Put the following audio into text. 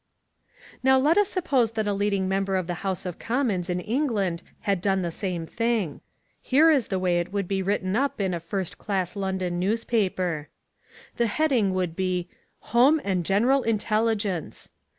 Now let us suppose that a leading member of the House of Commons in England had done the same thing. Here is the way it would be written up in a first class London newspaper. The heading would be HOME AND GENERAL INTELLIGENCE.